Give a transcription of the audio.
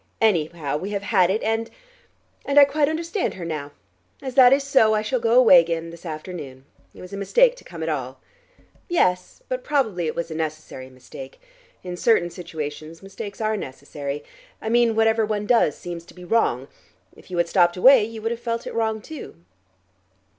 Anyhow, we have had it and and I quite understand her now. As that is so, I shall go away again this afternoon. It was a mistake to come at all." "Yes, but probably it was a necessary mistake. In certain situations mistakes are necessary: I mean whatever one does seems to be wrong. If you had stopped away, you would have felt it wrong too."